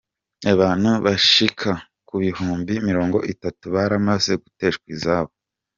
Abantu bashika ku bihumbi mirongo itatu baramaze guteshwa izabo.